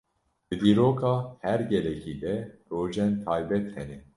Di dîroka her gelekî de rojên taybet hene.